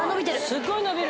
すっごい伸びる。